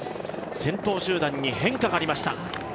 先頭集団に変化がありました。